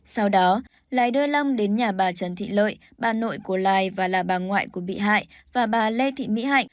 sau đó lai đưa long đến nhà bà trần thị lợi bà nội của lài và là bà ngoại của bị hại và bà lê thị mỹ hạnh